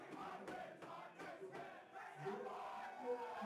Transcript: Blízkovýchodní kuchyně je kuchyní různých zemí a národů na Blízkém Východě.